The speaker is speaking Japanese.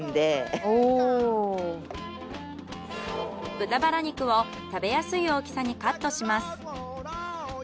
豚バラ肉を食べやすい大きさにカットします。